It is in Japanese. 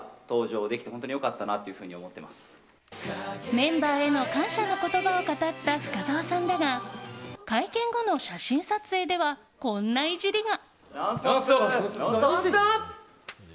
メンバーへの感謝の言葉を語った深澤さんだが会見後の写真撮影ではこんないじりが。